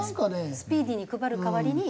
スピーディーに配る代わりに。